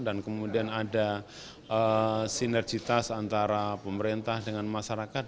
dan kemudian ada sinergitas antara pemerintah dengan masyarakat